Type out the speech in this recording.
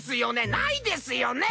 ないですよね！